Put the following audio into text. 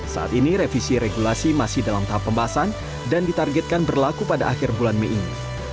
saat ini revisi regulasi masih dalam tahap pembahasan dan ditargetkan berlaku pada akhir bulan mei ini